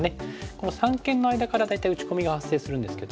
この三間の間から大体打ち込みが発生するんですけども。